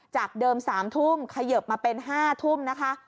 จากเดิม๓ทุ่มเขยิบมาเป็น๕ทุ่มนะคะ